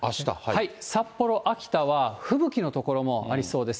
札幌、秋田は吹雪の所もありそうです。